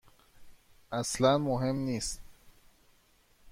اصلا مهم نیست.